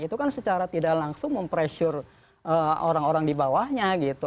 itu kan secara tidak langsung mempressure orang orang di bawahnya gitu